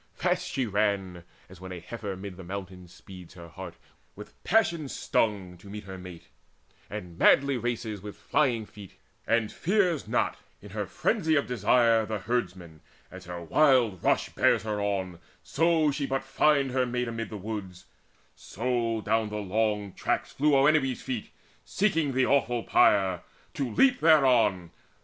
Fast she ran, As when a heifer 'mid the mountains speeds, Her heart with passion stung, to meet her mate, And madly races on with flying feet, And fears not, in her frenzy of desire, The herdman, as her wild rush bears her on, So she but find her mate amid the woods; So down the long tracks flew Oenone's feet; Seeking the awful pyre, to leap thereon.